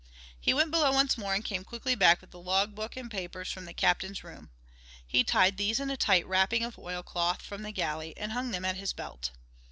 He went below once more and came quickly back with the log book and papers from the captain's room. He tied these in a tight wrapping of oilcloth from the galley and hung them at his belt.